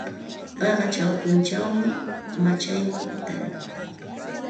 Qaqa chawpinchawmi machakway taaran.